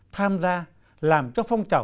tham gia làm cho phong trọng